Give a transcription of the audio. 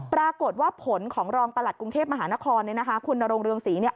ปรากฏว่าผลของรองประหลักกรุงเทพมหานครโอร์โรงเรืองศรีนะฮะ